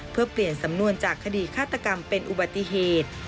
เพื่อเปลี่ยนสำนวนจากคดีฆาตกรรมเป็นอุบัติเหตุ